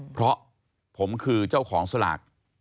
เพราะผมคือเจ้าของสลาก